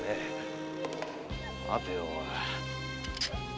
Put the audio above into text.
待てよ？